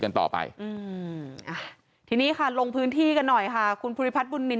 กันต่อไปอืมอ่าทีนี้ค่ะลงพื้นที่กันหน่อยค่ะคุณภูริพัฒนบุญนิน